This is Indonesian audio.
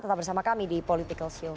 tetap bersama kami di political show